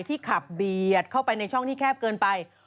ขับเบียดเข้าไปในช่องที่แคบเกินไป